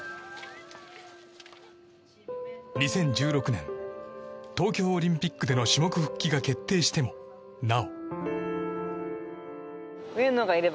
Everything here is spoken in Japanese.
２０１６年東京オリンピックでの種目復帰が決定してもなお。